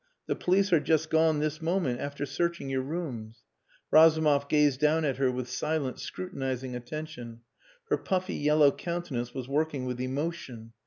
The police are just gone this moment after searching your rooms." Razumov gazed down at her with silent, scrutinizing attention. Her puffy yellow countenance was working with emotion.